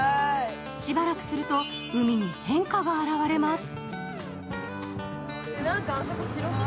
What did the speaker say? しばらくすると、海に変化が現れます。